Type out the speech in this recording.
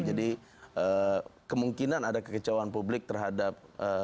jadi kemungkinan ada kekecauan publik terhadap